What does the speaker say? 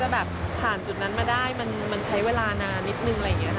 แบบผ่านจุดนั้นมาได้มันใช้เวลานานนิดนึงอะไรอย่างนี้ค่ะ